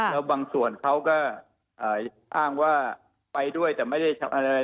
แล้วบางส่วนเขาก็อ้างว่าไปด้วยแต่ไม่ได้อะไร